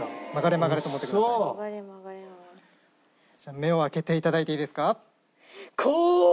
目を開けていただいていいですか？